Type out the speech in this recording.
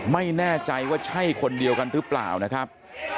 ไม่แน่ใจว่าใช่คนเดียวกันหรือเปล่านะครับ